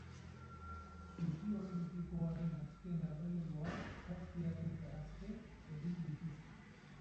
Zuzi olinpikoaren azken erreleboak zazpi atleta gaztek egin dituzte.